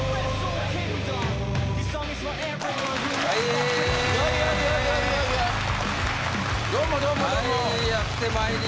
はい。